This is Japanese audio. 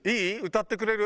歌ってくれる？